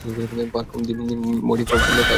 Fur from the madding crowd কার লেখা জান?